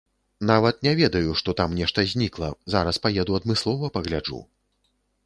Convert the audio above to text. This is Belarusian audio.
Нават не ведаю, што там нешта знікла, зараз паеду адмыслова пагляджу.